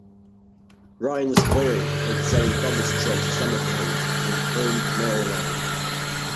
Ryan was buried in Saint Thomas Church Cemetery in Croom, Maryland.